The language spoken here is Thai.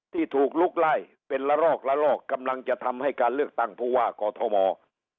ที่ถูกลุกไล่เป็นละลอกละลอกกำลังจะทำให้การเลือกตั้งผู้ว่ากอทม